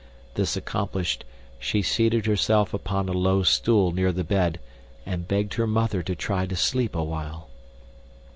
This accomplished, she seated herself upon a low stool near the bed and begged her mother to try to sleep awhile.